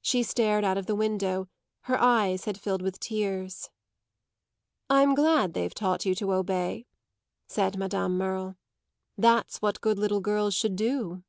She stared out of the window; her eyes had filled with tears. "I'm glad they've taught you to obey," said Madame Merle. "That's what good little girls should do."